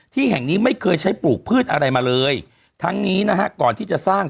ที่แห่งนี้ไม่เคยใช้ปลูกพืชอะไรมาเลยทั้งนี้นะฮะก่อนที่จะสร้าง